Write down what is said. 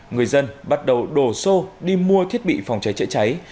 người dân bắt đầu đổ xô đi mua thiết bị phòng cháy chữa cháy